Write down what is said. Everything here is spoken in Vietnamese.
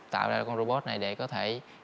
tạo ra con robot này để có thể